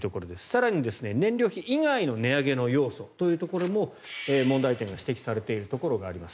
更に燃料費以外の値上げの要素も問題点が指摘されているところがあります。